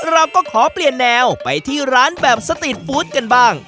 เราก็ขอเปลี่ยนแนวไปที่ร้านแบบสตีทฟู้ดกันบ้าง